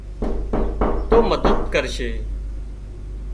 تو مدد ڪري سي